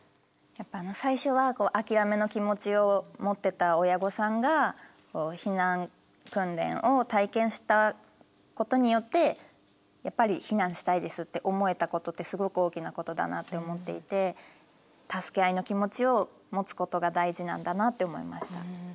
やっぱ最初は諦めの気持ちを持ってた親御さんが避難訓練を体験したことによってやっぱり避難したいですって思えたことってすごく大きなことだなって思っていて助け合いの気持ちを持つことが大事なんだなって思いました。